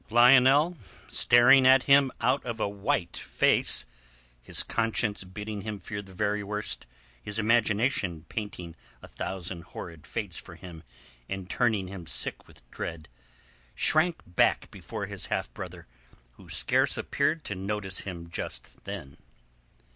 Lionel staring at him out of a white face, his conscience bidding him fear the very worst, his imagination painting a thousand horrid fates for him and turning him sick with dread, shrank back before his half brother, who scarce appeared to notice him just then.